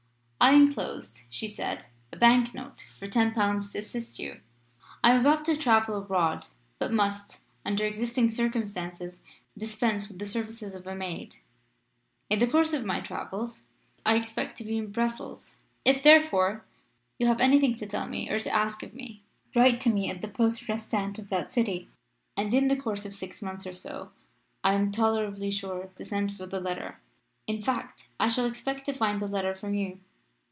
"I enclose," she said, "a bank note for ten pounds to assist you. I am about to travel abroad, but must, under existing circumstances, dispense with the services of a maid. In the course of my travels I expect to be in Brussels. If, therefore, you have anything to tell me or to ask of me, write to me at the Poste Restante of that city, and in the course of six mouths or so I am tolerably sure to send for the letter. In fact, I shall expect to find a letter from you.